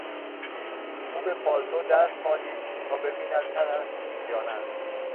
او به پالتو دست مالید تا ببیند تر است یا نه.